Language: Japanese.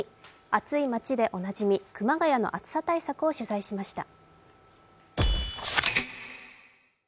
暑い街でおなじみ、熊谷の暑さ対策を取材しました。